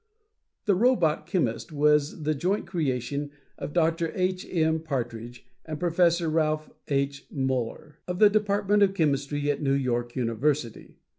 The robot chemist was the joint creation of Dr. H. M. Partridge and Professor Ralph H. Muller of the department of chemistry at New York University.